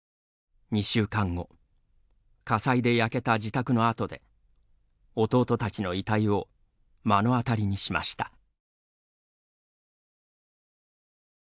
２週間後火災で焼けた自宅の跡で弟たちの遺体を目の当たりにしました。